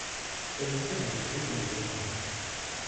Elvire avait couru dans le pavillon.